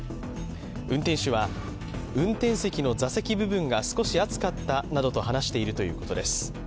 運転手は、運転席の座席部分が少し熱かったと話しているということです。